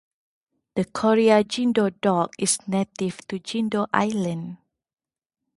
The Korea Jindo Dog is native to Jindo Island.